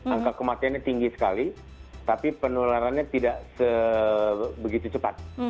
angka kematiannya tinggi sekali tapi penularannya tidak sebegitu cepat